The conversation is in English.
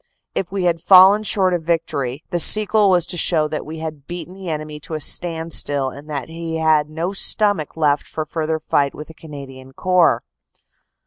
If we had fallen short of victory, the sequel was to show that we had beaten the enemy to a standstill and that he had no stomach left for further fight with the Canadian Corps.